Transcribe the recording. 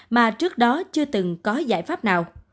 mà trước đó chưa từng có giải pháp nào